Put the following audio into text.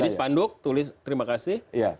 jadi sepanduk tulis terima kasih